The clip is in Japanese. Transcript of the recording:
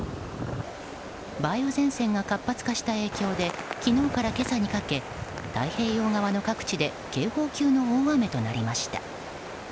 梅雨前線が活発化した影響で昨日から今朝にかけ太平洋側の各地で警報級の大雨となりました。